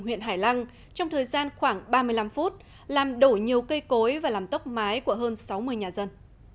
huyện hải lăng trong thời gian khoảng ba mươi năm phút làm đổ nhiều cây cối và làm tốc mái của hơn sáu mươi nhà dân